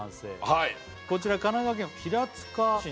はい「こちら神奈川県平塚市の」